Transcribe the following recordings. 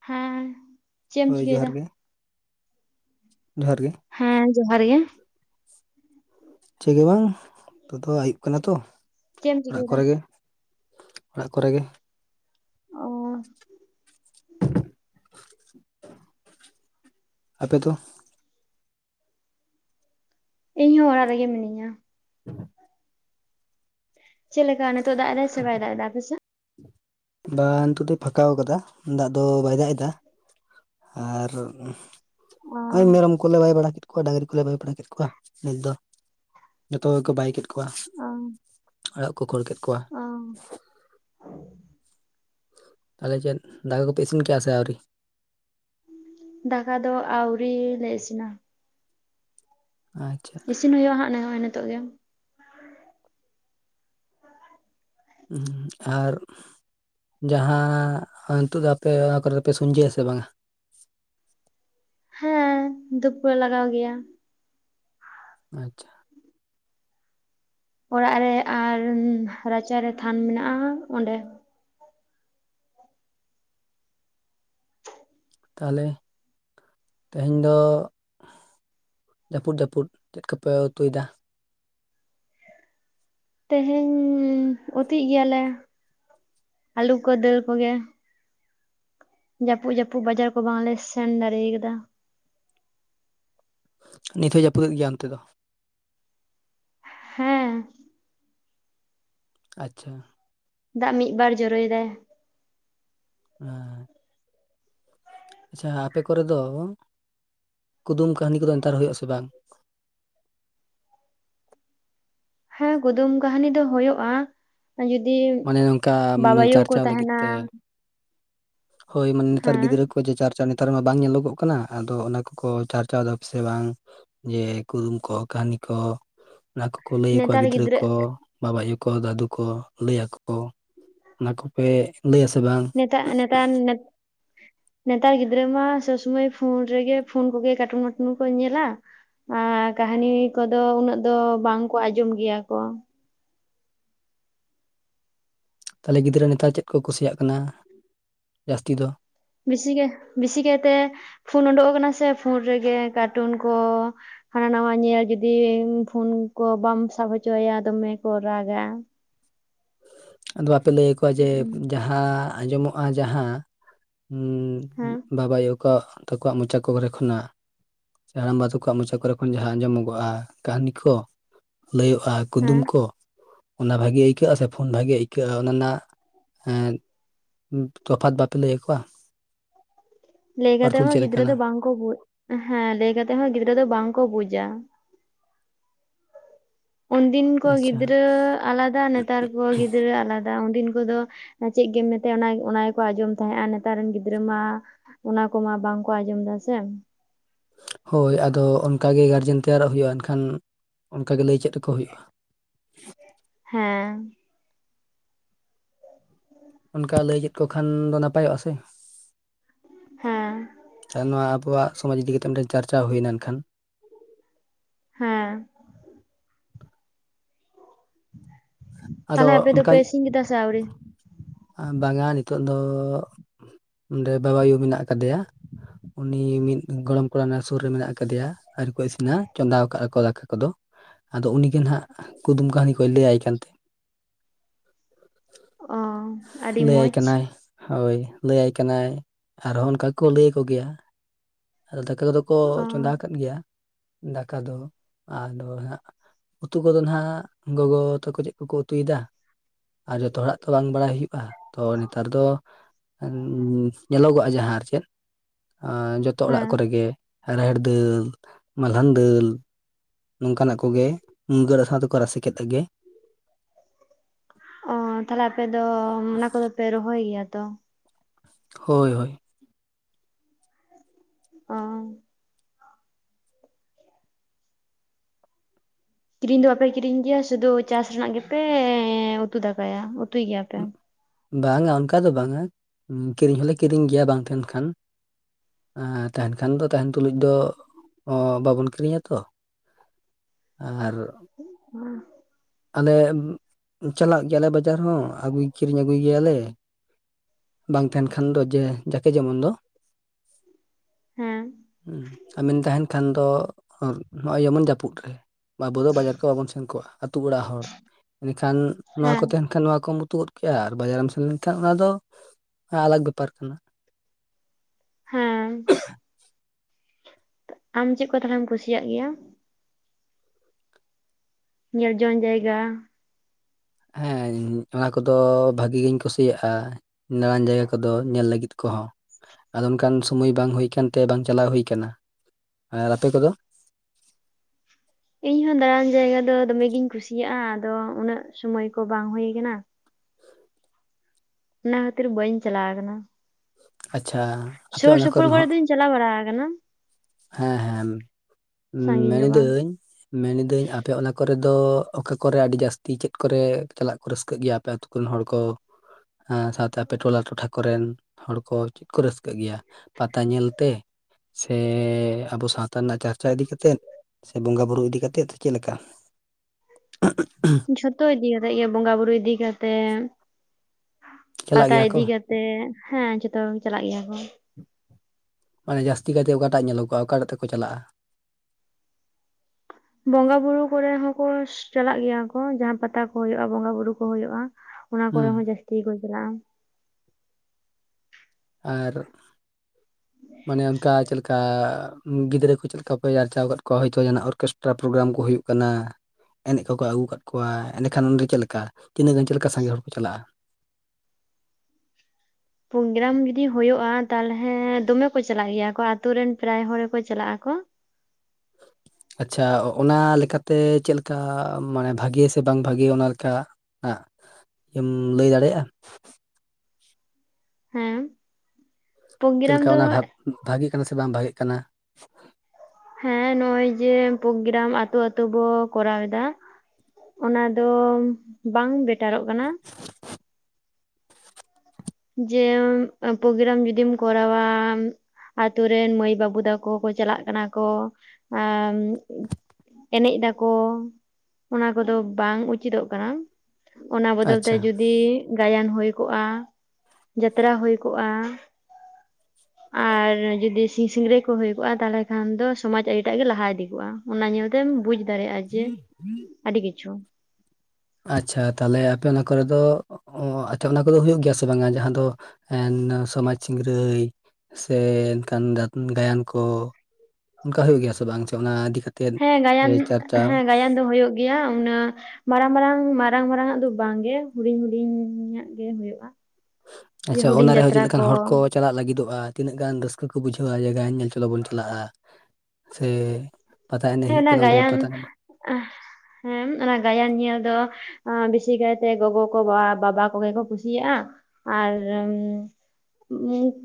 ᱦᱮᱸ᱾ ᱪᱮᱫ ᱮᱢ ᱦᱳᱭ ᱪᱤᱠᱟᱹᱭᱮᱫᱟ? ᱡᱚᱦᱟᱨ ᱜᱮ᱾ ᱡᱚᱦᱟᱨ ᱜᱮ᱾ ᱦᱮᱸ ᱡᱚᱦᱟᱨ ᱜᱮ᱾ ᱪᱮᱫ ᱜᱮ ᱵᱟᱝ ᱱᱤᱛᱚᱜ ᱫᱚ ᱟᱹᱭᱩᱵ ᱠᱟᱱᱟ ᱛᱚ ᱪᱮᱫ ᱮᱢ ᱚᱲᱟᱜ ᱪᱤᱠᱟᱹᱭᱮᱫᱟ? ᱠᱚᱨᱮ ᱜᱮ᱾ ᱚᱲᱟᱜ ᱠᱚᱨᱮ ᱜᱮ᱾ ᱚ᱾ ᱟᱯᱮᱫᱚ? ᱤᱧ ᱦᱚᱸ ᱚᱲᱟᱜ ᱨᱮᱜᱮ ᱢᱤᱱᱟᱹᱧᱟ᱾ [inaudible] ᱪᱮᱫ ᱞᱮᱠᱟ ᱱᱤᱛᱚᱜ ᱫᱟᱜ ᱮᱫᱟᱭ ᱥᱮ ᱵᱟᱭ ᱫᱟᱜ ᱫᱟ ᱟᱯᱮ ᱥᱮᱡ? ᱵᱟ᱾ ᱱᱤᱛᱚᱜ ᱫᱚᱭ ᱯᱷᱟᱠᱟᱣ ᱠᱟᱫᱟ ᱫᱟᱜ ᱫᱚ ᱵᱟᱭ ᱫᱟᱜ ᱮᱫᱟ᱾ ᱟᱨ ᱚ ᱦᱳᱭ ᱢᱮᱨᱚᱢ ᱠᱚᱞᱮ ᱵᱟᱭ ᱵᱟᱲᱟ ᱠᱮᱫ ᱠᱚᱣᱟ ᱰᱟᱝᱨᱤ ᱠᱚᱞᱮ ᱵᱟᱭ ᱵᱟᱲᱟ ᱠᱮᱫ ᱠᱚᱣᱟ ᱱᱤᱛ ᱫᱚ᱾ ᱡᱚᱛᱚ ᱜᱮ ᱠᱚ ᱜᱮᱠᱚ ᱵᱟᱭ ᱠᱮᱫ ᱠᱚᱣᱟ᱾ ᱚ ᱚᱲᱟᱜ ᱠᱚ ᱠᱷᱳᱲ ᱠᱮᱫ ᱠᱚᱣᱟ᱾ [inaudible] ᱚ ᱛᱟᱦᱚᱞᱮ ᱪᱮᱫ ᱫᱟᱠᱟ ᱠᱚ ᱯᱮ ᱤᱥᱤᱱ ᱠᱮᱜᱼᱟ ᱥᱮ ᱟᱹᱣᱨᱤ? ᱫᱟᱠᱟ ᱫᱚ ᱟᱣᱨᱤ ᱞᱮ ᱤᱥᱤᱱᱟ᱾ ᱟᱪᱪᱷᱟ ᱤᱥᱤᱱ ᱦᱩᱭᱩᱜᱼᱟ ᱦᱟᱜ ᱱᱮᱜᱼᱚᱭ ᱱᱤᱛᱚᱜ ᱜᱮ᱾ ᱟᱨ ᱡᱟᱦᱟᱸ ᱫᱚ ᱟᱯᱮ ᱚᱱᱟ ᱠᱚᱨᱮ ᱯᱮ ᱥᱩᱧᱡᱟᱹᱭᱟᱯᱮ ᱥᱮ ᱵᱟᱝᱟ? ᱦᱮᱸ ᱫᱷᱩᱯ ᱠᱚ ᱞᱟᱜᱟᱣ ᱜᱮᱭᱟ᱾ ᱟᱪᱪᱷᱟ᱾ ᱚᱲᱟᱜ ᱨᱮ ᱟᱨ ᱨᱟᱪᱟᱨᱮ ᱛᱷᱟᱱ ᱢᱮᱱᱟᱜᱼᱟ ᱚᱸᱰᱮ᱾ ᱛᱟᱦᱞᱮ ᱛᱮᱦᱮᱧ ᱫᱚ ᱡᱟᱹᱯᱩᱫ ᱡᱟᱹᱯᱩᱫ ᱪᱮᱫ ᱠᱚᱯᱮ ᱩᱛᱩᱭᱫᱟ? ᱛᱮᱦᱮᱧ ᱩᱛᱩᱭᱮᱫ ᱜᱮᱭᱟᱞᱮ ᱟᱹᱞᱩ ᱠᱚ ᱫᱟᱹᱞ ᱠᱚᱜᱮ᱾ ᱡᱟᱹᱯᱩᱫ ᱡᱟᱹᱯᱩᱫ ᱵᱟᱡᱟᱨ ᱠᱚ ᱵᱟᱝᱞᱮ ᱥᱮᱱ ᱫᱟᱲᱮᱭ ᱟᱠᱟᱫᱟ᱾ ᱱᱤᱛ ᱦᱚᱸᱭ ᱡᱟᱹᱯᱩᱫ ᱮᱫ ᱜᱮᱭᱟ ᱚᱱᱛᱮ ᱫᱚ? ᱦᱮᱸ ᱟᱪᱪᱷᱟ ᱫᱟᱜ ᱢᱤᱫ ᱵᱟᱨ ᱡᱚᱨᱚᱭᱮᱫᱟᱭ [unintelligible] ᱟᱪᱪᱷᱟ ᱟᱯᱮ ᱠᱚᱨᱮ ᱫᱚ ᱠᱩᱫᱩᱢ ᱠᱟᱹᱦᱱᱤ ᱠᱚᱫᱚ ᱱᱮᱛᱟᱨ ᱦᱩᱭᱩᱜ-ᱟ ᱥᱮ ᱵᱟᱝ? ᱦᱮᱸ ᱠᱩᱫᱩᱢ ᱠᱟᱹᱦᱱᱤ ᱫᱚ ᱦᱳᱭᱳᱜ-ᱟ! ᱡᱩᱫᱤ ᱢᱟᱱᱮ ᱱᱚᱝᱠᱟ ᱢ, ᱵᱟᱵᱟ ᱟᱭᱩ ᱠᱚ ᱪᱟᱨᱪᱟᱣ ᱞᱟᱹᱜᱤᱫ ᱛᱟᱦᱮᱱᱟ ᱛᱮ ᱦᱳᱭ ᱢᱟᱱᱮ ᱱᱮᱛᱟᱨ ᱦᱮᱸ ᱜᱤᱫᱽᱨᱟᱹ ᱠᱚ ᱡᱮ ᱪᱟᱨᱪᱟ ᱱᱮᱛᱟᱨ ᱢᱟ ᱵᱟᱝ ᱧᱮᱞᱚᱜᱚᱜ ᱠᱟᱱᱟ ᱟᱫᱚ ᱚᱱᱟ ᱠᱚᱠᱚ ᱪᱟᱨᱪᱟᱣᱮᱫᱟ ᱥᱮ ᱵᱟᱝ ᱡᱮ ᱠᱩᱫᱩᱢ ᱠᱚ ᱠᱟᱹᱦᱱᱤ ᱠᱚ ᱚᱱᱟ ᱠᱚᱠᱚ ᱞᱟᱹᱭ ᱟᱠᱚᱣᱟ ᱜᱤᱫᱽᱨᱟᱹ ᱠᱚ ᱵᱟᱵᱟ ᱟᱭᱩ ᱠᱚ ᱫᱟᱫᱩ ᱠᱚ ᱞᱟᱹ ᱟᱠᱚ ᱠᱚ ᱚᱱᱟ ᱠᱚᱯᱮ ᱞᱟᱹᱭᱟ ᱥᱮ ᱵᱟᱝ [unintelligible] ᱜᱤᱫᱽᱨᱟᱹ ᱢᱟ ᱥᱚᱵ ᱥᱚᱢᱚᱭ ᱯᱷᱳᱱ ᱨᱮᱜᱮ ᱯᱷᱳᱱ ᱠᱚᱜᱮ ᱠᱟᱴᱩᱱ ᱢᱟᱴᱩᱱ ᱠᱚ ᱧᱮᱞᱟ ᱟᱨ ᱠᱟᱦᱱᱤ ᱠᱚᱫᱚ ᱩᱱᱟᱹᱜ ᱫᱚ ᱵᱟᱝ ᱠᱚ ᱟᱸᱡᱚᱢ ᱜᱮᱭᱟ ᱠᱚ᱾ ᱛᱟᱦᱚᱞᱮ ᱜᱤᱫᱽᱨᱟᱹ ᱱᱮᱛᱟᱨ ᱪᱮᱫ ᱠᱚ ᱠᱩᱥᱤᱭᱟᱜ ᱠᱟᱱᱟ ᱡᱟᱹᱥᱛᱤ ᱫᱚ? ᱵᱮᱥᱤ ᱜᱮ ᱵᱮᱥᱤ ᱠᱟᱭᱛᱮ ᱯᱷᱳᱱ ᱳᱰᱳᱠ ᱟᱠᱟᱱᱟ ᱥᱮ ᱯᱷᱚᱱ ᱨᱮᱜᱮ ᱠᱟᱨᱴᱩᱱ ᱠᱚ᱾ ᱦᱟᱱᱟ ᱱᱟᱣᱟ ᱧᱮᱞ ᱡᱩᱫᱤ ᱯᱷᱩᱱ ᱠᱚ ᱵᱟᱢ ᱥᱟᱵ ᱦᱚᱪᱚ ᱟᱭᱟ ᱫᱚᱢᱮ ᱠᱚ ᱨᱟᱜᱟ ᱟᱫᱚ ᱵᱟᱯᱮ ᱞᱟᱹᱭ ᱟᱠᱚᱣᱟ ᱡᱮ ᱡᱟᱦᱟᱸ ᱟᱸᱡᱚᱢᱚᱜ-ᱟ ᱡᱟᱦᱟᱸ ᱦᱮᱸ ᱵᱟᱵᱟ ᱟᱭᱩ ᱠᱚ ᱛᱟᱠᱚᱣᱟᱜ ᱢᱚᱪᱟ ᱠᱚ ᱠᱚᱨᱮ ᱠᱷᱚᱱᱟᱜ ᱦᱟᱲᱟᱢᱵᱟ ᱛᱟᱠᱚᱣᱟᱜ ᱢᱚᱪᱟ ᱠᱚᱨᱮ ᱠᱷᱚᱱ ᱡᱟᱦᱟᱸ ᱟᱸᱡᱚᱢᱚᱜᱚᱜᱼᱟ ᱠᱟᱹᱦᱱᱤ ᱠᱚ ᱞᱟᱹᱭᱚᱜᱼᱟ ᱦᱮᱸ ᱠᱩᱫᱩᱢ ᱠᱚ ᱚᱱᱟ ᱵᱷᱟᱜᱤ ᱟᱹᱭᱠᱟᱹᱜᱼᱟ ᱥᱮ ᱯᱷᱳᱱ ᱵᱷᱟᱜᱮ ᱟᱹᱭᱠᱟᱹᱜ-ᱟ ᱚᱱᱟ ᱨᱮᱱᱟᱜ ᱛᱚᱯᱷᱟᱛ ᱵᱟᱯᱮ ᱞᱟᱹᱭ ᱟᱠᱚᱣᱟ ᱞᱟᱹᱭ ᱠᱟᱛᱮ ᱯᱟᱨᱛᱩᱞ ᱦᱚᱸ ᱪᱮᱫ ᱜᱤᱫᱽᱨᱟᱹ ᱫᱚ ᱞᱮᱠᱟᱱᱟ ᱵᱟᱝᱠᱚ ᱵᱩᱡ ᱦᱮᱸ ᱞᱟᱹᱭ ᱠᱟᱛᱮ ᱦᱚᱸ ᱜᱤᱫᱽᱨᱟᱹ ᱫᱚ ᱵᱟᱝᱠᱚ ᱵᱩᱡ-ᱟ ᱩᱱᱫᱤᱱ ᱠᱚ ᱟᱪᱪᱷᱟ ᱜᱤᱫᱽᱨᱟᱹ ᱟᱞᱟᱫᱟ ᱱᱮᱛᱟᱨ ᱠᱚ ᱜᱤᱫᱽᱨᱟᱹ ᱟᱞᱟᱫᱟ ᱩᱱᱫᱤᱱ ᱠᱚᱫᱚ ᱪᱮᱫ ᱜᱮᱢ ᱢᱮᱛᱟᱭᱟ ᱚᱱᱟ ᱜᱮᱠᱚ ᱟᱸᱡᱚᱢ ᱛᱟᱦᱮᱸᱫ-ᱟ ᱱᱮᱛᱟᱨ ᱨᱮᱱ ᱜᱤᱫᱽᱨᱟᱹ ᱢᱟ ᱚᱱᱟ ᱠᱚᱢᱟ ᱵᱟᱝᱠᱚ ᱟᱸᱡᱚᱢ ᱮᱫᱟ ᱥᱮ ᱦᱳᱭ ᱟᱫᱚ ᱚᱱᱠᱟᱜᱮ ᱜᱟᱨᱡᱮᱱ ᱛᱮᱭᱟᱨᱚᱜ ᱦᱩᱭᱩᱜ-ᱟ ᱮᱱᱠᱷᱟᱱ ᱚᱱᱠᱟᱟᱜᱮ ᱞᱟᱹᱭ ᱪᱮᱫ ᱟᱠᱚ ᱦᱩᱭᱩᱜ-ᱟ ᱦᱮᱸ ᱚᱱᱠᱟ ᱞᱟᱹᱭ ᱠᱮᱫ ᱠᱚ ᱠᱷᱟᱱ ᱫᱚ ᱱᱟᱯᱟᱭᱚᱜ-ᱟ ᱥᱮ ᱦᱮᱸ ᱱᱚᱣᱟ ᱟᱵᱚᱣᱟᱜ ᱥᱚᱢᱟᱡᱽ ᱤᱫᱤ ᱠᱟᱛᱮ ᱢᱤᱫᱴᱟᱝ ᱪᱟᱨᱪᱟ ᱦᱩᱭᱱᱟ ᱮᱱᱠᱷᱟᱱ ᱦᱮᱸ ᱟᱫᱚ ᱛᱟᱦᱚᱞᱮ ᱟᱯᱮ ᱫᱚᱯᱮ ᱚᱱᱠᱟᱧ ᱤᱥᱤᱱ ᱠᱮᱫᱟ ᱥᱮ ᱟᱹᱣᱨᱤ ᱵᱟᱝᱟ ᱱᱤᱛᱚᱜ ᱫᱚ ᱚᱸᱰᱮ ᱵᱟᱵᱟ ᱟᱭᱩ ᱢᱮᱱᱟᱜ ᱟᱠᱟᱫᱮᱭᱟ ᱩᱱᱤ ᱢᱤᱫ ᱜᱚᱲᱚᱢ ᱠᱚᱲᱟ ᱥᱩᱨ ᱨᱮ ᱢᱮᱱᱟᱜ ᱟᱠᱟᱫᱮᱭᱟ ᱟᱣᱨᱤ ᱠᱚ ᱤᱥᱤᱱᱟ ᱪᱚᱸᱫᱟ ᱟᱠᱟᱫ-ᱟ ᱠᱚ ᱫᱟᱠᱟ ᱠᱚ ᱫᱚ ᱟᱫᱚ ᱩᱱᱤᱜᱮ ᱱᱟᱦᱟᱜ ᱠᱩᱫᱩᱢ ᱠᱟᱹᱦᱱᱤ ᱠᱚᱭ ᱞᱟᱹᱭᱟᱭ ᱠᱟᱱᱛᱮ ᱚ ᱟᱹᱰᱤ ᱞᱟᱹᱭ ᱟᱭ ᱢᱚᱸᱡᱽ ᱠᱟᱱᱟᱭ ᱦᱳᱭ ᱞᱟᱹᱭ ᱟᱭ ᱠᱟᱱᱟᱭ ᱟᱨᱦᱚᱸ ᱚᱱᱠᱟ ᱜᱮᱠᱚ ᱞᱟᱹᱭ ᱟᱠᱚ ᱜᱮᱭᱟ ᱟᱫᱚ ᱫᱟᱠᱟ ᱠᱚᱫᱚ ᱠᱚ ᱚ ᱪᱚᱸᱫᱟ ᱟᱠᱟᱫ ᱜᱮᱭᱟ ᱫᱟᱠᱟ ᱫᱚ ᱟᱫᱚ ᱦᱟᱜ ᱩᱛᱩ ᱠᱚᱫᱚ ᱱᱟᱦᱟᱜ ᱜᱚᱜᱚ ᱛᱟᱠᱚ ᱪᱮᱫ ᱪᱮᱫ ᱠᱚ ᱩᱛᱩ ᱭᱮᱫᱟ ᱟᱨ ᱡᱚᱛᱚ ᱦᱚᱲᱟᱜ ᱛᱚ ᱵᱟᱝ ᱵᱟᱲᱟᱭ ᱦᱩᱭᱩᱜ-ᱟ ᱛᱚ ᱱᱮᱛᱟᱨ ᱫᱚ ᱧᱮᱞᱚᱜᱚᱜᱼᱟ ᱡᱟᱦᱟᱸ ᱟᱨ ᱪᱮᱫ ᱡᱚᱛᱚ ᱚᱲᱟᱜ ᱦᱮᱸ ᱠᱚᱨᱮ ᱜᱮ ᱨᱟᱦᱮᱲ ᱫᱟᱹᱞ ᱢᱟᱞᱦᱟᱱ ᱫᱟᱹᱞ ᱱᱚᱝᱠᱟ ᱱᱟᱜ ᱠᱚᱜᱮ ᱢᱩᱱᱜᱟᱹ ᱟᱲᱟᱜ ᱥᱟᱶ ᱛᱮᱠᱚ ᱨᱟᱥᱮ ᱠᱮᱫ ᱜᱮ ᱚᱻ ᱛᱟᱦᱚᱞᱮ ᱟᱯᱮ ᱫᱚ ᱚᱱᱟ ᱠᱚᱫᱚ ᱯᱮ ᱨᱚᱦᱚᱭ ᱜᱮᱭᱟ ᱛᱚ ᱦᱳᱭ ᱦᱳᱭ ᱚᱻ ᱠᱤᱨᱤᱧ ᱫᱚ ᱵᱟᱯᱮ ᱠᱤᱨᱤᱧ ᱜᱮᱭᱟ ᱥᱩᱫᱷᱩ ᱪᱟᱥ ᱨᱮᱱᱟᱜ ᱜᱮᱯᱮ ᱩᱛᱩ ᱫᱟᱠᱟᱭᱟ ᱩᱛᱩᱭ ᱜᱮᱭᱟᱯᱮ ᱵᱟᱝᱟ ᱚᱱᱠᱟ ᱫᱚ ᱵᱟᱝᱟ ᱠᱤᱨᱤᱧ ᱦᱚᱸᱞᱮ ᱠᱤᱨᱤᱧ ᱜᱮᱭᱟ ᱵᱟᱝ ᱛᱟᱦᱮᱱ ᱠᱷᱟᱱ ᱛᱟᱦᱮᱱ ᱠᱷᱟᱱ ᱫᱚ ᱛᱟᱦᱮᱱ ᱛᱩᱞᱩᱡ ᱫᱚ ᱵᱟᱵᱚᱱ ᱠᱤᱨᱤᱧᱟ ᱛᱚ ᱟᱨ ᱦᱮᱸ ᱟᱞᱮ ᱪᱟᱞᱟᱜ ᱜᱮᱭᱟ ᱞᱮ ᱵᱟᱡᱟᱨ ᱦᱚᱸ ᱟᱹᱜᱩᱭ ᱠᱤᱨᱤᱧ ᱟᱹᱜᱩᱭ ᱜᱮᱭᱟ ᱞᱮ ᱵᱟᱝ ᱛᱟᱦᱮᱸᱱ ᱠᱷᱟᱱ ᱫᱚ ᱡᱮ ᱡᱟᱠᱮ ᱡᱮᱢᱚᱱ ᱫᱚ᱾ ᱟᱵᱤᱱ ᱛᱟᱦᱮᱸᱱ ᱠᱷᱟᱱ ᱫᱚ ᱱᱚᱜᱚᱭ ᱡᱮᱢᱚᱱ ᱡᱟᱹᱯᱩᱫ ᱨᱮ ᱟᱵᱚ ᱫᱚ ᱵᱟᱡᱟᱨ ᱠᱚ ᱵᱟᱵᱚᱱ ᱥᱮᱱ ᱠᱚᱜᱼᱟ ᱟᱹᱛᱩ ᱚᱲᱟᱜ ᱦᱚᱲ᱾ ᱮᱸᱱᱠᱷᱟᱱ ᱱᱚᱣᱟ ᱠᱚ ᱦᱮᱸ ᱛᱟᱦᱮᱸᱱ ᱠᱷᱟᱱ ᱱᱚᱣᱟ ᱠᱚᱢ ᱩᱛᱩ ᱜᱚᱫ ᱠᱮᱜᱼᱟ ᱟᱨ ᱵᱟᱡᱟᱨᱮᱢ ᱥᱮᱱ ᱞᱮᱱᱠᱷᱟᱱ ᱚᱱᱟ ᱫᱚ᱾ ᱦᱮᱸ ᱟᱞᱟᱜ ᱵᱮᱯᱟᱨ ᱠᱟᱱᱟ᱾ ᱦᱮᱸ ᱟᱢ ᱪᱮᱫ ᱠᱚ ᱛᱟᱦᱞᱮᱢ ᱠᱩᱥᱤᱭᱟᱜ ᱜᱮᱭᱟ? ᱧᱮᱞ ᱡᱚᱱ ᱡᱟᱭᱜᱟ ᱦᱮᱸ ᱚᱱᱟ ᱠᱚᱫᱚ ᱵᱷᱟᱹᱜᱤ ᱜᱤᱧ ᱠᱩᱥᱤᱭᱟᱜᱼᱟ᱾ ᱱᱟᱣᱟᱱ ᱡᱟᱭᱜᱟ ᱠᱚᱫᱚ ᱧᱮᱞ ᱞᱟᱹᱜᱤᱫ ᱠᱚᱦᱚᱸ᱾ ᱟᱫᱚ ᱚᱱᱠᱟᱱ ᱥᱚᱢᱚᱭ ᱵᱟᱝ ᱦᱩᱭ ᱟᱠᱟᱱᱛᱮ ᱵᱟᱝ ᱪᱟᱞᱟᱣ ᱦᱩᱭ ᱠᱟᱱᱟ᱾ ᱟᱨ ᱟᱯᱮ ᱠᱚᱫᱚ? ᱤᱧ ᱦᱚᱸ ᱫᱟᱬᱟᱸᱱ ᱡᱟᱭᱜᱟ ᱫᱚ ᱫᱚᱢᱮ ᱜᱤᱧ ᱠᱩᱥᱤᱭᱟᱜ-ᱟ ᱟᱫᱚ ᱩᱱᱟᱹᱜ ᱥᱚᱢᱚᱭ ᱠᱚ ᱵᱟᱝ ᱦᱩᱭ ᱠᱟᱱᱟ ᱚᱱᱟ ᱠᱷᱟᱹᱛᱤᱨ ᱵᱟᱹᱧ ᱪᱟᱞᱟᱣ ᱟᱠᱟᱱᱟ ᱟᱪᱪᱷᱟ ᱟᱯᱮ ᱥᱩᱨ ᱚᱱᱟ ᱥᱩᱯᱩᱨ ᱠᱚᱨᱮᱱ ᱠᱚᱨᱮ ᱦᱚᱸ ᱫᱚᱧ ᱪᱟᱞᱟᱣ ᱵᱟᱲᱟ ᱟᱠᱟᱱᱟᱢ ᱦᱮᱸ ᱦᱮᱸ ᱥᱟᱺᱜᱤᱧ ᱢᱮᱱ ᱫᱚ ᱵᱟᱝ ᱤᱫᱟᱹᱧ ᱢᱮᱱ ᱤᱫᱟᱹᱧ ᱟᱯᱮ ᱚᱱᱟ ᱠᱚᱨᱮ ᱫᱚ ᱚᱠᱟ ᱠᱚᱨᱮ ᱟᱹᱰᱤ ᱡᱟᱹᱥᱛᱤ ᱪᱮᱫ ᱠᱚᱨᱮ ᱪᱟᱞᱟᱜ ᱠᱚ ᱨᱟᱹᱥᱠᱟᱹᱜ ᱜᱮᱭᱟ ᱟᱯᱮ ᱟᱛᱳ ᱠᱚᱨᱮᱱ ᱦᱚᱲ ᱠᱚ? [inaudible] ᱦᱮᱸ ᱥᱟᱣᱛᱮ ᱟᱯᱮ ᱴᱚᱞᱟ ᱴᱚᱴᱷᱟ ᱠᱚᱨᱮᱱ ᱦᱚᱲ ᱠᱚ ᱪᱮᱫ ᱠᱚ ᱨᱟᱹᱥᱠᱟᱹᱜ ᱜᱮᱭᱟ ᱯᱟᱛᱟ ᱧᱮᱞ ᱛᱮ ᱥᱮ ᱟᱵᱚ ᱥᱟᱶᱛᱟ ᱨᱮᱱᱟᱜ ᱪᱟᱨᱪᱟ ᱤᱫᱤ ᱠᱟᱛᱮᱫ ᱥᱮ ᱵᱚᱸᱜᱟ ᱵᱩᱨᱩ ᱤᱫᱤ ᱠᱟᱛᱮᱫ ᱪᱮᱫ ᱞᱮᱠᱟ? [unintelligible] ᱡᱷᱚᱛᱚ ᱤᱫᱤ ᱠᱟᱛᱮᱜ ᱜᱮ ᱵᱚᱸᱜᱟ ᱵᱩᱨᱩ ᱤᱫᱤ ᱠᱟᱛᱮᱜ ᱪᱟᱞᱟᱜ ᱯᱟᱛᱟ ᱜᱮᱭᱟ ᱠᱚ ᱤᱫᱤ ᱠᱟ- -ᱛᱮᱜ᱾ ᱦᱮᱸ ᱡᱚᱛᱚ ᱪᱟᱞᱟᱜ ᱜᱮᱭᱟ ᱠᱚ᱾ ᱢᱟᱱᱮ ᱡᱟᱹᱥᱛᱤ ᱠᱟᱭᱛᱮ ᱚᱠᱟᱴᱟᱜ ᱧᱮᱞᱚᱜᱼᱟ ᱚᱠᱟᱴᱟᱜ ᱛᱮᱠᱚ ᱪᱟᱞᱟᱜᱼᱟ? ᱵᱚᱸᱜᱟ ᱵᱩᱨᱩ ᱠᱚᱨᱮ ᱦᱚᱸᱠᱚ ᱪᱟᱞᱟᱜ ᱜᱮᱭᱟ ᱠᱚ ᱡᱟᱦᱟᱸ ᱯᱟᱛᱟ ᱠᱚ ᱦᱩᱭᱩᱜᱼᱟ ᱵᱚᱸᱜᱟ ᱵᱩᱨᱩ ᱠᱚ ᱦᱩᱭᱩᱜᱼᱟ᱾ ᱚᱱᱟ ᱠᱚᱨᱮ ᱦᱮᱸ ᱦᱚᱸ ᱡᱟᱹᱥᱛᱤ ᱜᱮᱠᱚ ᱪᱟᱞᱟᱜᱼᱟ᱾ ᱟᱨ ᱢᱟᱱᱮ ᱚᱱᱠᱟ ᱪᱮᱜᱞᱮᱠᱟ ᱜᱤᱫᱽᱨᱟᱹ ᱠᱚ ᱪᱮᱫ ᱞᱮᱠᱟ ᱯᱮ ᱪᱟᱨᱪᱟᱣ ᱟᱠᱟᱫ ᱠᱚᱣᱟ ᱦᱳᱭᱛᱳ ᱡᱟᱦᱟᱸᱱᱟᱜ ᱚᱨᱠᱮᱥᱴᱨᱟ ᱯᱨᱳᱜᱨᱟᱢ ᱠᱚ ᱦᱩᱭᱩᱜ ᱠᱟᱱᱟ ᱮᱱᱮᱡ ᱠᱚᱠᱚ ᱟᱹᱜᱩ ᱟᱠᱟᱫ ᱠᱚᱣᱟ ᱮᱸᱰᱮᱠᱷᱟᱱ ᱚᱸᱰᱮ ᱪᱮᱫ ᱞᱮᱠᱟ ᱛᱤᱱᱟᱹᱜ ᱜᱟᱱ ᱪᱮᱫ ᱞᱮᱠᱟ ᱥᱟᱸᱜᱮ ᱦᱚᱲ ᱠᱚ ᱪᱟᱞᱟᱜᱼᱟ? ᱯᱨᱳᱜᱨᱟᱢ ᱡᱩᱫᱤ ᱦᱳᱭᱳᱜᱼᱟ ᱛᱟᱞᱦᱮ ᱫᱚᱢᱮ ᱠᱚ ᱪᱟᱞᱟᱜ ᱜᱮᱭᱟ ᱠᱚ ᱟᱛᱩ ᱨᱮᱱ ᱯᱨᱟᱭ ᱦᱚᱲ ᱠᱚ ᱪᱟᱞᱟᱜ ᱟᱠᱚ᱾ [inaudible] ᱟᱪᱪᱷᱟ ᱚᱱᱟ ᱞᱮᱠᱟᱛᱮ ᱪᱮᱫ ᱞᱮᱠᱟ ᱢᱟᱱᱮ ᱵᱷᱟᱜᱮ ᱥᱮ ᱵᱟᱝ ᱵᱷᱟᱜᱮ ᱚᱱᱟ ᱞᱮᱠᱟ ᱜ ᱮᱢ ᱞᱟᱹᱭ ᱫᱟᱲᱮᱭᱟᱜᱼᱟ? ᱦᱮᱸ ᱯᱨᱳᱜᱨᱟᱢ ᱪᱮᱫᱞᱮᱠᱟ ᱫᱚ ᱚᱱᱟ ᱵᱷᱟᱵ ᱵᱷᱟᱜᱤ ᱠᱟᱱᱟ ᱥᱮ ᱵᱟᱝ ᱵᱷᱟᱜᱮᱜ ᱠᱟᱱᱟ? ᱦᱮᱸ ᱱᱚᱜ-ᱚᱭ ᱡᱮ ᱯᱨᱳᱜᱨᱟᱢ ᱟᱛᱳ ᱟᱛᱳ ᱵᱚ ᱠᱚᱨᱟᱣ ᱮᱫᱟ ᱚᱱᱟ ᱫᱚ ᱵᱟᱝ ᱵᱮᱴᱟᱨᱚᱜ ᱠᱟᱱᱟ᱾ ᱡᱮ ᱯᱨᱳᱜᱨᱟᱢ ᱡᱩᱫᱤᱢ ᱠᱚᱨᱟᱣᱟᱢ ᱟᱛᱳ ᱨᱮᱱ ᱢᱟᱹᱭ ᱵᱟᱹᱵᱩ ᱛᱟᱠᱚ ᱠᱚ ᱪᱟᱞᱟᱜ ᱠᱟᱱᱟ ᱠᱚ ᱟᱨ ᱮᱱᱮᱡ ᱮᱫᱟᱠᱚ ᱚᱱᱟ ᱠᱚᱫᱚ ᱵᱟᱝ ᱩᱪᱤᱛᱚᱜ ᱠᱟᱱᱟ᱾ ᱚᱱᱟ ᱵᱚᱫᱚᱞᱛᱮ ᱟᱪᱪᱷᱟ ᱡᱩᱫᱤ ᱜᱟᱭᱟᱱ ᱦᱩᱭ ᱠᱚᱜᱼᱟ ᱡᱟᱛᱨᱟ ᱦᱩᱭ ᱠᱚᱜᱼᱟ ᱟᱨ ᱡᱩᱫᱤ ᱥᱤᱝᱼᱥᱤᱝᱨᱟᱹᱭ ᱠᱩ ᱦᱩᱭ ᱠᱚᱜᱼᱟ ᱛᱟᱦᱚᱞᱮ ᱠᱷᱟᱱ ᱫᱚ ᱥᱚᱢᱟᱡ ᱟᱹᱰᱤᱴᱟᱜ ᱜᱮ ᱞᱟᱦᱟ ᱤᱫᱤ ᱠᱚᱜᱼᱟ ᱚᱱᱟ ᱧᱮᱞᱛᱮᱢ ᱵᱩᱡ ᱫᱟᱲᱮᱭᱟᱜᱼᱟ ᱡᱮ ᱟᱹᱰᱤ ᱠᱤᱪᱷᱩ᱾ ᱟᱪᱪᱷᱟ ᱛᱟᱦᱚᱞᱮ ᱟᱯᱮ ᱚᱱᱟ ᱠᱚᱨᱮ ᱫᱚ ᱟᱪᱪᱷᱟ ᱚᱱᱟ ᱠᱚᱫᱚ ᱦᱩᱭᱩᱜ ᱜᱮᱭᱟ ᱥᱮ ᱵᱟᱝᱟ ᱡᱟᱦᱟᱸ ᱫᱚ ᱮᱱ ᱥᱚᱢᱟᱡᱽ ᱥᱤᱝᱨᱟᱹᱭ ᱥᱮ ᱮᱱᱠᱟᱱ ᱜᱟᱭᱟᱱ ᱠᱚ? ᱚᱱᱠᱟ ᱦᱩᱭᱩᱜ ᱜᱮᱭᱟ ᱥᱮ ᱵᱟᱝ ᱥᱮ ᱚᱱᱟ ᱤᱫᱤ ᱠᱟᱛᱮ? ᱦᱮᱸ ᱜᱟᱭᱟᱱ ᱦᱮᱸ ᱜᱟᱭᱟᱱ ᱫᱚ ᱦᱩᱭᱩᱜ ᱜᱮᱭᱟ ᱩᱱᱟᱹᱜ ᱢᱟᱨᱟᱝ ᱢᱟᱨᱟᱝ ᱢᱟᱨᱟᱝ ᱢᱟᱨᱟᱝ-ᱟᱜ ᱫᱚ ᱵᱟᱝ ᱜᱮ ᱦᱩᱰᱤᱧ ᱦᱩᱰᱤᱧᱟᱜ ᱜᱮ ᱦᱩᱭᱩᱜᱼᱟ᱾ ᱡᱮ ᱟᱪᱪᱷᱟ ᱦᱩᱰᱤᱧ ᱚᱱᱟ ᱨᱮᱦᱚᱸ ᱡᱟᱛᱨᱟ ᱪᱮᱫ ᱞᱮᱠᱟᱱ ᱦᱚᱲ ᱠᱚ ᱪᱟᱞᱟᱜ ᱞᱟᱹᱜᱤᱫᱚᱜᱼᱟ? ᱛᱤᱱᱟᱹᱜ ᱜᱟᱱ ᱨᱟᱹᱥᱠᱟᱹ ᱠᱚ ᱵᱩᱡᱷᱟᱹᱣᱟ ᱡᱮ ᱡᱟᱜᱟ ᱧᱮᱞ ᱪᱚᱞᱚ ᱵᱚᱱ ᱪᱟᱞᱟᱜᱼᱟ ᱥᱮ ᱯᱟᱛᱟ ᱮᱱᱮᱡ ᱦᱮᱸ ᱦᱩᱭᱩᱜ ᱚᱱᱟ ᱠᱟᱱᱟ ᱚᱸᱰᱮ ᱜᱟᱭᱟᱱ ᱯᱟᱛᱟ ᱦᱮᱸ ᱚᱱᱟ ᱜᱟᱭᱟᱱ ᱧᱮᱞᱫᱚ ᱵᱮᱥᱤ ᱠᱟᱭᱛᱮ ᱜᱚᱜᱚ ᱵᱟ ᱵᱟᱵᱟ ᱠᱚᱜᱮ ᱠᱚ ᱠᱩᱥᱤᱭᱟᱜᱼᱟ ᱟᱨ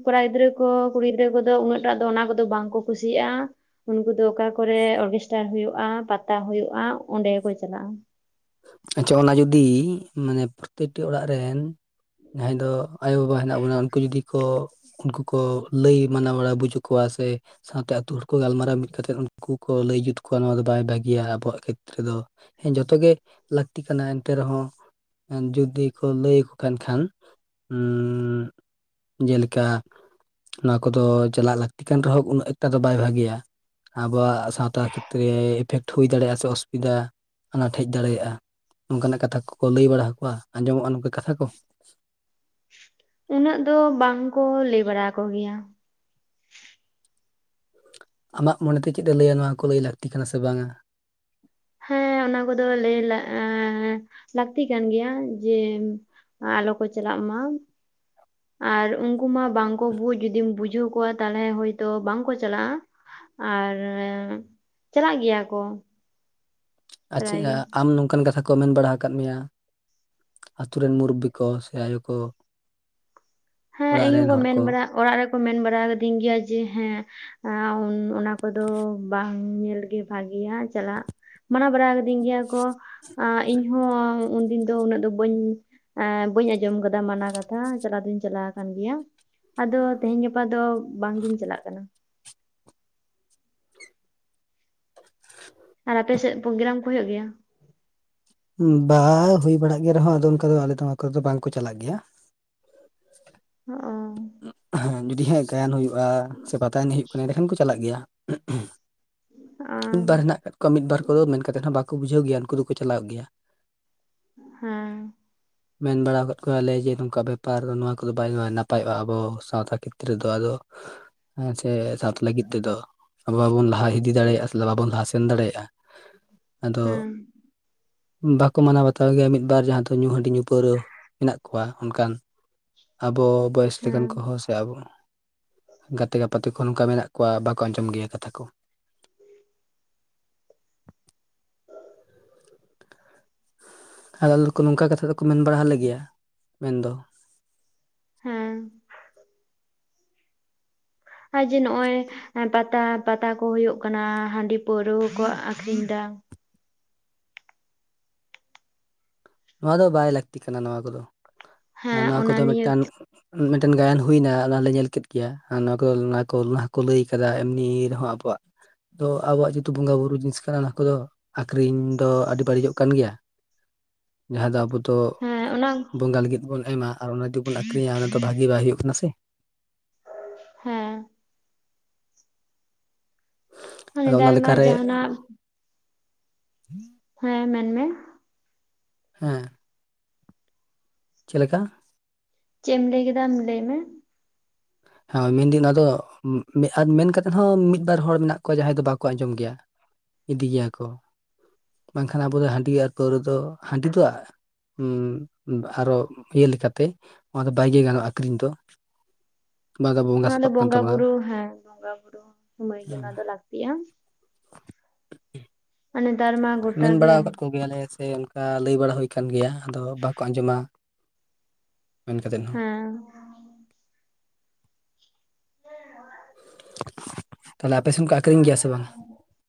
ᱠᱚᱲᱟ ᱜᱤᱫᱽᱨᱟᱹ ᱠᱚ ᱠᱩᱲᱤ ᱜᱤᱫᱽᱨᱟᱹ ᱠᱚᱫᱚ ᱩᱱᱟᱹᱜ ᱴᱟᱜ ᱫᱚ ᱚᱱᱟ ᱠᱚᱫᱚ ᱵᱟᱝ ᱠᱚ ᱠᱩᱥᱤᱭᱟᱜᱼᱟ ᱩᱱᱠᱩ ᱫᱚ ᱚᱠᱟ ᱠᱚᱨᱮ ᱚᱨᱠᱮᱥᱴᱟᱨ ᱦᱩᱭᱩᱜᱼᱟ ᱯᱟᱛᱟ ᱦᱩᱭᱩᱜᱼᱟ ᱚᱸᱰᱮᱠᱚ ᱪᱟᱞᱟᱜᱼᱟ ᱟᱪᱪᱷᱟ ᱚᱱᱟ ᱡᱩᱫᱤ ᱢᱟᱱᱮ ᱯᱨᱚᱛᱮᱠᱴᱤ ᱚᱲᱟᱜ ᱨᱮᱱ ᱡᱟᱦᱟᱸᱭ ᱫᱚ ᱟᱭᱳᱼᱵᱟᱵᱟ ᱦᱮᱱᱟᱜ ᱵᱚᱱᱟ ᱩᱱᱠᱩ ᱡᱩᱫᱤ ᱠᱚ ᱩᱱᱠᱩ ᱠᱚ ᱞᱟᱹᱭ ᱢᱟᱱᱟ ᱵᱟᱲᱟ ᱵᱩᱡᱟᱹ ᱠᱚᱣᱟ ᱥᱮ ᱥᱟᱶᱛᱮ ᱟᱹᱛᱩ ᱦᱚᱲ ᱠᱚ ᱜᱟᱞᱢᱟᱨᱟᱣ ᱢᱤᱫ ᱠᱟᱛᱮᱫ ᱩᱱᱠᱩ ᱠᱚ ᱞᱟᱹᱭ ᱡᱩᱛ ᱠᱚᱣᱟ ᱱᱚᱣᱟ ᱫᱚ ᱵᱟᱭ ᱵᱷᱟᱹᱜᱮᱭᱟ ᱟᱵᱚᱣᱟᱜ ᱠᱷᱮᱛᱨᱮ ᱫᱚ ᱦᱮᱸ ᱡᱚᱛᱚ ᱜᱮ ᱞᱟᱹᱠᱛᱤ ᱠᱟᱱᱟ ᱮᱱᱛᱮ ᱨᱮᱦᱚᱸ ᱡᱩᱫᱤ ᱠᱚ ᱞᱟᱹᱭ ᱟᱠᱚ ᱠᱟᱱ ᱠᱷᱟᱱ ᱩ ᱡᱮᱞᱮᱠᱟ ᱱᱚᱣᱟ ᱠᱚᱫᱚ ᱪᱟᱞᱟᱜ ᱞᱟᱹᱠᱛᱤ ᱠᱟᱱ ᱨᱮᱦᱚᱸ ᱩᱱᱟᱹᱜ ᱮᱠᱴᱟ ᱫᱚ ᱵᱟᱭ ᱵᱷᱟᱹᱜᱮᱭᱟ᱾ ᱟᱵᱚᱣᱟᱜ ᱥᱟᱶᱛᱟ ᱠᱷᱮᱛᱨᱮ ᱤᱯᱷᱮᱠᱴ ᱦᱩᱭ ᱫᱟᱲᱮᱭᱟᱜᱼᱟ ᱥᱮ ᱚᱥᱩᱵᱤᱫᱟ ᱟᱱᱟᱴ ᱦᱮᱡ ᱫᱟᱲᱮᱭᱟᱜᱼᱟ? ᱱᱚᱝᱠᱟᱱᱟᱜ ᱠᱟᱛᱷᱟ ᱠᱚᱠᱚ ᱞᱟᱹᱭ ᱵᱟᱲᱟ ᱦᱟᱠᱚᱣᱟ ᱟᱸᱡᱚᱢᱚᱜᱼᱟ ᱱᱚᱝᱠᱟ ᱠᱟᱛᱷᱟ ᱠᱚ? ᱩᱱᱟᱹᱜ ᱫᱚ ᱵᱟᱝᱠᱩ ᱞᱟᱹᱭ ᱵᱟᱲᱟ ᱠᱚᱜᱮᱭᱟ ᱟᱢᱟᱜ ᱢᱚᱱᱮᱛᱮ ᱪᱮᱫ ᱮ ᱞᱟᱹᱭᱟ ᱱᱚᱣᱟ ᱠᱚ ᱞᱟᱹᱭ ᱞᱟᱹᱠᱛᱤ ᱠᱟᱱᱟ ᱥᱮ ᱵᱟᱝᱟ ᱦᱮᱸ ᱚᱱᱟ ᱠᱚᱫᱚ ᱞᱟᱹᱭ ᱮ ᱞᱟᱹᱠᱛᱤ ᱠᱟᱱ ᱜᱮᱭᱟ ᱡᱮ ᱟᱞᱚ ᱠᱚ ᱪᱟᱞᱟᱜ ᱢᱟ ᱟᱨ ᱩᱱᱠᱩ ᱢᱟ ᱵᱟᱝᱠᱚ ᱡᱩᱫᱤᱢ ᱵᱩᱡᱷᱟᱹᱣ ᱠᱚᱣᱟ ᱛᱟᱦᱞᱮ ᱦᱳᱭᱛᱚ ᱵᱟᱝᱠᱚ ᱪᱟᱞᱟᱜᱼᱟ ᱟᱨ ᱪᱟᱞᱟᱜ ᱜᱮᱭᱟ ᱠᱚ ᱯᱨᱟᱭ ᱟᱪᱪᱷᱟ ᱜᱮ ᱟᱢ ᱱᱚᱝᱠᱟᱱ ᱠᱟᱛᱷᱟ ᱢᱮᱱ ᱵᱟᱲᱟ ᱠᱟᱫ ᱟᱠᱟᱫ ᱢᱮᱭᱟ ᱟᱛᱳ ᱨᱮᱱ ᱢᱩᱨᱵᱤ ᱠᱚ ᱥᱮ ᱟᱭᱳ ᱠᱚ ᱦᱮᱸ ᱚᱲᱟᱜ ᱤᱧ ᱨᱮᱱ ᱦᱚᱸᱠᱚ ᱦᱚᱲ ᱢᱮᱱ ᱠᱚ? ᱵᱟᱲᱟ ᱚᱲᱟᱜ ᱨᱮᱠᱚ ᱢᱮᱱ ᱵᱟᱲᱟ ᱟᱠᱟᱫᱤᱧ ᱜᱮᱭᱟ ᱡᱮ ᱦᱮᱸ ᱚᱱᱟ ᱠᱚᱫᱚ ᱵᱟᱝ ᱧᱮᱞ ᱜᱮ ᱵᱷᱟᱜᱤᱭᱟ ᱪᱟᱞᱟᱜ ᱢᱟᱱᱟᱣ ᱵᱟᱲᱟ ᱠᱟᱹᱫᱤᱧ ᱜᱮᱭᱟ ᱠᱚ ᱤᱧᱦᱚ ᱩᱱᱫᱤᱱ ᱫᱚ ᱩᱱᱟᱹᱜ ᱫᱚ ᱵᱟᱹᱧ ᱮᱸ ᱵᱟᱹᱧ ᱟᱸᱡᱚᱢ ᱟᱠᱟᱫᱟ ᱢᱟᱱᱟ ᱠᱟᱛᱷᱟ ᱪᱟᱞᱟᱣ ᱫᱩᱧ ᱪᱟᱞᱟᱣ ᱟᱠᱟᱱ ᱜᱮᱭᱟ ᱟᱫᱚ ᱛᱮᱦᱮᱧ ᱜᱟᱯᱟ ᱫᱚ ᱵᱟᱝ ᱜᱤᱧ ᱪᱟᱞᱟᱜ ᱠᱟᱱᱟ ᱟᱨ ᱟᱯᱮᱥᱮᱫ ᱯᱨᱳᱜᱨᱟᱢ ᱠᱚ ᱦᱩᱭᱩᱜ ᱜᱮᱭᱟ ᱵᱟ ᱦᱩᱭ ᱵᱟᱲᱟᱜ ᱜᱮ ᱨᱮᱦᱚᱸ ᱟᱫᱚ ᱚᱱᱠᱟ ᱟᱞᱮ ᱫᱚ ᱱᱚᱣᱟ ᱠᱚᱨᱮ ᱫᱚ ᱵᱟᱝᱠᱚ ᱪᱟᱞᱟᱜ ᱜᱮᱭᱟ ᱚ ᱮᱸ ᱡᱩᱫᱤ ᱦᱮᱸ ᱜᱟᱭᱟᱱ ᱦᱩᱭᱩᱜᱼᱟ ᱥᱮ ᱯᱟᱛᱟ ᱮᱱᱮᱡ ᱦᱩᱭᱩᱜ ᱠᱟᱱᱟ ᱮᱸᱰᱮᱠᱷᱟᱱ ᱠᱚ ᱪᱟᱞᱟᱜ ᱜᱮᱭᱟ ᱚ ᱢᱤᱫ ᱵᱟᱨ ᱦᱮᱱᱟᱜ ᱠᱟᱫ ᱠᱚᱣᱟ ᱢᱤᱫ ᱵᱟᱨ ᱠᱚᱫᱚ ᱢᱮᱱ ᱠᱟᱛᱮᱫ ᱦᱚᱸ ᱵᱟᱠᱚ ᱵᱩᱡᱷᱟᱹᱣ ᱜᱮᱭᱟ ᱩᱱᱠᱩ ᱫᱚᱠᱚ ᱪᱟᱞᱟᱜ ᱜᱮᱭᱟ ᱦᱮᱸ ᱢᱮᱱ ᱵᱟᱲᱟ ᱟᱠᱟᱫ ᱠᱚᱣᱟᱞᱮ ᱡᱮ ᱱᱚᱝᱠᱟ ᱵᱮᱯᱟᱨ ᱱᱚᱣᱟ ᱠᱚᱫᱚ ᱵᱟᱭ ᱱᱟᱯᱟᱭᱚᱜᱼᱟ ᱟᱵᱚ ᱥᱟᱶᱛᱟ ᱠᱷᱮᱛᱨᱮ ᱫᱚ ᱟᱫᱚ ᱦᱮᱸ ᱥᱮ ᱥᱟᱶᱛᱟ ᱞᱟᱹᱜᱤᱫ ᱛᱮᱫᱚ ᱟᱵᱚ ᱵᱟᱵᱚᱱ ᱞᱟᱦᱟ ᱤᱫᱤ ᱫᱟᱲᱮᱭᱟᱜᱼᱟ ᱥᱮ ᱵᱟᱵᱚᱱ ᱞᱟᱦᱟ ᱥᱮᱱ ᱫᱟᱲᱮᱭᱟᱜᱼᱟ ᱟᱫᱚ ᱦᱮᱸ ᱵᱟᱠᱚ ᱢᱟᱱᱟᱣ ᱵᱟᱛᱟᱣ ᱜᱮᱭᱟ ᱢᱤᱫᱵᱟᱨ ᱡᱟᱦᱟᱸ ᱫᱚ ᱧᱩ ᱦᱟᱺᱰᱤ ᱧᱩ ᱯᱟᱹᱣᱨᱟᱹ ᱢᱮᱱᱟᱜ ᱠᱚᱣᱟ ᱚᱱᱠᱟᱱ ᱟᱵᱚ ᱵᱚᱭᱮᱥ ᱞᱮᱠᱟᱱ ᱦᱮᱸ ᱠᱚᱦᱚᱸ ᱥᱮ ᱥᱮ ᱟᱵᱚ ᱜᱟᱛᱮ ᱜᱟᱯᱟᱛᱮ ᱠᱚ ᱱᱚᱝᱠᱟ ᱢᱮᱱᱟᱜ ᱠᱚᱣᱟ ᱵᱟᱠᱚ ᱟᱸᱡᱚᱢ ᱜᱮᱭᱟ ᱠᱟᱛᱷᱟ ᱠᱚ ᱟᱨ ᱟᱞᱮ ᱫᱚ ᱠᱚ ᱱᱚᱝᱠᱟ ᱠᱟᱛᱷᱟ ᱫᱚᱠᱚ ᱢᱮᱱ ᱵᱟᱲᱟ ᱞᱮᱜᱮᱭᱟ ᱢᱮᱱᱫᱚ ᱦᱮᱸ ᱟᱨ ᱡᱮ ᱱᱚᱜᱼᱚᱭ ᱯᱟᱛᱟ ᱯᱟᱛᱟ ᱠᱚ ᱦᱩᱭᱩᱜ ᱠᱟᱱᱟ ᱦᱟᱺᱰᱤ ᱯᱟᱹᱣᱨᱟᱹ ᱠᱚ ᱟᱠᱷᱨᱤᱧ ᱮᱫᱟ ᱱᱚᱣᱟ ᱫᱚ ᱵᱟᱭ ᱞᱟᱹᱠᱛᱤ ᱠᱟᱱᱟ ᱱᱚᱣᱟ ᱠᱚᱫᱚ ᱦᱮᱸ ᱱᱚᱣᱟ ᱚᱱᱟ ᱠᱚᱫᱚ ᱱᱤᱭᱟᱹ ᱢᱤᱫᱴᱟᱝ ᱢᱤᱫᱴᱮᱱ ᱜᱟᱭᱟᱱ ᱦᱩᱭᱱᱟ ᱚᱱᱟᱞᱮ ᱧᱮᱞ ᱠᱮᱫ ᱜᱮᱭᱟ ᱟᱨ ᱱᱚᱣᱟ ᱠᱚ ᱱᱚᱣᱟ ᱠᱚ ᱚᱱᱟᱠᱚ ᱞᱟᱹᱭ ᱠᱮᱫᱟ ᱮᱢᱱᱤ ᱨᱮᱦᱚᱸ ᱟᱵᱚᱣᱟᱜ ᱫᱚ ᱟᱵᱚᱣᱟᱜ ᱡᱮᱦᱛᱩ ᱵᱚᱸᱜᱟ ᱵᱩᱨᱩ ᱡᱤᱱᱤᱥ ᱠᱟᱱᱟ ᱚᱱᱟ ᱠᱚᱫᱚ ᱟᱠᱠᱷᱨᱤᱧ ᱫᱚ ᱟᱹᱰᱤ ᱵᱟᱹᱲᱤᱡᱚᱜ ᱠᱟᱱ ᱜᱮᱭᱟ ᱡᱟᱦᱟᱸ ᱫᱚ ᱟᱵᱚ ᱫᱚ ᱦᱮᱸᱻ ᱚᱱᱟ᱾ ᱵᱚᱸᱜᱟ ᱞᱟᱹᱜᱤᱫ ᱵᱚᱱ ᱮᱢᱟ ᱟᱨ ᱚᱱᱟ ᱡᱩᱫᱤ ᱵᱚᱱ ᱟᱠᱷᱨᱤᱧᱟ ᱚᱱᱟ ᱫᱚ ᱵᱷᱟᱜᱮ ᱵᱟᱭ ᱦᱩᱭᱩᱜ ᱠᱟᱱᱟ ᱥᱮ᱾ ᱦᱮᱸᱻ᱾ ᱟᱫᱚ ᱱᱮᱛᱟᱨ ᱚᱱᱟ ᱢᱟ ᱞᱮᱠᱟᱨᱮ ᱡᱟᱦᱟᱸᱱᱟᱜ ᱦᱮᱸᱻ ᱢᱮᱱ ᱢᱮ᱾ ᱦᱮᱸᱻ᱾ ᱪᱮᱫ ᱞᱮᱠᱟ? ᱪᱮᱫ ᱮᱢ ᱞᱟᱹᱭ ᱠᱮᱫᱟ ᱟᱢ ᱞᱟᱹᱭ ᱢᱮ? ᱦᱮᱸᱻ ᱢᱮᱱᱫᱟᱹᱧ ᱱᱚᱣᱟ ᱫᱚ ᱢᱮᱱ ᱠᱟᱛᱮᱫ ᱦᱚᱸ ᱢᱤᱫ ᱵᱟᱨ ᱦᱚᱲ ᱢᱮᱱᱟᱜ ᱠᱚᱣᱟ ᱡᱟᱦᱟᱸᱭ ᱫᱚ ᱵᱟᱠᱚ ᱟᱸᱡᱚᱢ ᱜᱮᱭᱟ᱾ ᱤᱫᱤ ᱜᱮᱭᱟ ᱠᱚ᱾ ᱵᱟᱝᱠᱷᱟᱱ ᱟᱵᱚ ᱫᱚ ᱦᱟᱺᱰᱤ ᱟᱨ ᱯᱟᱹᱣᱨᱟᱹ ᱫᱚ, ᱦᱟᱺᱰᱤ ᱫᱚ ᱩᱸᱻᱟᱨᱚ ᱤᱭᱟᱹ ᱞᱮᱠᱟᱛᱮ ᱚᱱᱟ ᱫᱚ ᱵᱟᱭ ᱜᱮ ᱜᱟᱱᱚᱜᱼᱟ ᱟᱠᱷᱨᱤᱧ ᱫᱚ᱾ ᱚᱱᱟ ᱫᱚ ᱵᱚᱸᱜᱟ ᱵᱩᱨᱩ ᱦᱮᱸ ᱵᱚᱸᱜᱟ ᱵᱩᱨᱩ ᱥᱚᱢᱚᱭ ᱜᱮ, ᱚᱱᱟ ᱫᱚ ᱞᱟᱹᱠᱛᱤ᱾ ᱯᱤᱭᱟᱢ ᱢᱮᱱ ᱵᱟᱲᱟ ᱟᱠᱟᱫ ᱠᱚᱜᱮᱭᱟᱞᱮ ᱥᱮ ᱚᱱᱠᱟ ᱠᱟ ᱞᱟᱹᱭ ᱵᱟᱲᱟ ᱦᱩᱭ ᱠᱟᱱ ᱜᱮᱭᱟ, ᱟᱫᱚ ᱵᱟᱠᱚ ᱟᱸᱡᱚᱢᱟ ᱢᱮᱱ ᱠᱟᱛᱮᱫ ᱦᱚᱸ᱾ ᱦᱮᱸ ᱛᱟᱦᱚᱞᱮ ᱟᱯᱮᱥᱮᱱ ᱠᱚ ᱟᱠᱷᱨᱤᱧ ᱜᱮᱭᱟ ᱥᱮ ᱵᱟᱝ?